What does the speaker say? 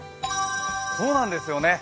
そうなんですよね。